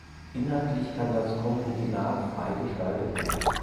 Inhaltlich kann das Konkubinat frei gestaltet werden.